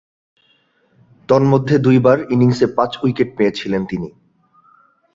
তন্মধ্যে দুইবার ইনিংসে পাঁচ-উইকেট পেয়েছিলেন তিনি।